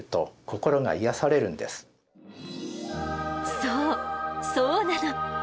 そうそうなの！